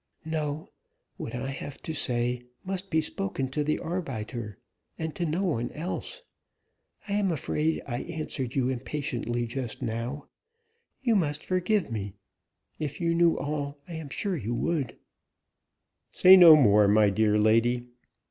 "No. What I have to say must be spoken to the arbiter to no one else. I am afraid I answered you impatiently just now. You must forgive me; if you knew all, I am sure you would." "Say no more, my dear lady.